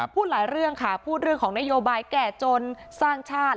พูดหลายเรื่องค่ะพูดเรื่องของนโยบายแก่จนสร้างชาติ